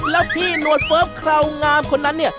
แล้วพี่หนวดเฟิร์ฟเคราวงามคนนั้นเนี่ย